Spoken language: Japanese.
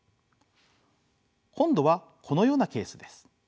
今度はこのようなケースです。